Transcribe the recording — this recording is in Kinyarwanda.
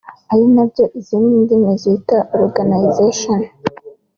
ari nabyo izindi ndimi zita «organisation»